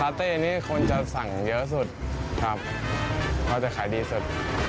เต้นี้คนจะสั่งเยอะสุดครับเขาจะขายดีสุด